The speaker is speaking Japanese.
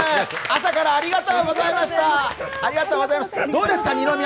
朝からありがとうございました。